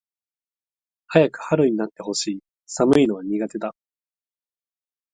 早く春になって欲しい。寒いのは苦手だ。